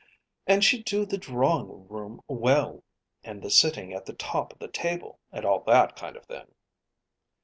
"And she'd do the drawing room well, and the sitting at the top of the table, and all that kind of thing."